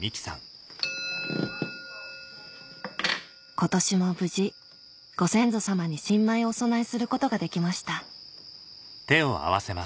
今年も無事ご先祖様に新米をお供えすることができました